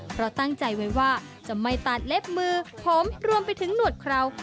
เพราะตั้งใจไว้ว่าจะไม่ตัดเล็บมือผมรวมไปถึงหนวดเคราะห์